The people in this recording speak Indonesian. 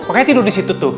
pokoknya tidur disitu tuh